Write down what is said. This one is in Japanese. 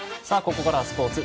ここからはスポーツ。